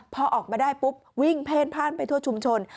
พอออกมาได้ปุ๊บวิ่งเพ่นพ่านไปทั่วชุมชน